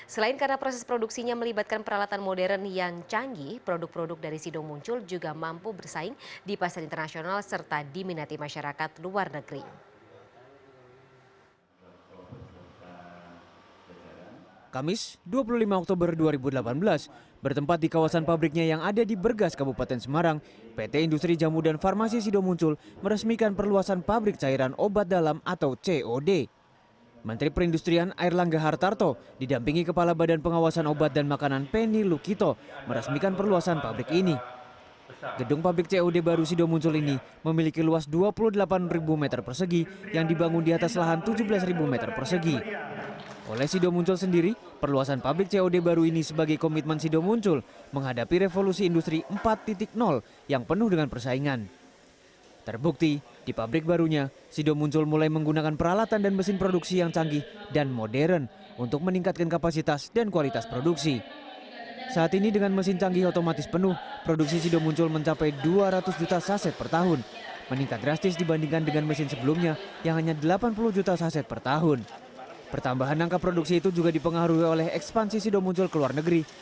selain karena proses produksinya melibatkan peralatan modern yang canggih produk produk dari sidong muncul juga mampu bersaing di pasar internasional serta diminati masyarakat luar negeri